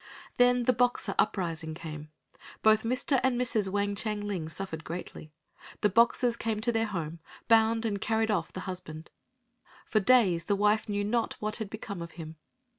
Then the Boxer uprising came. Both Mr. and Mrs. Wang Chang ling suffered greatly. The Boxers came to their home, bound and carried off the husband. For days the wife knew not what had become of him.